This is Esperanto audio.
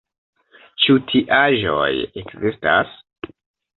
Ĉu tiaĵoj ekzistas?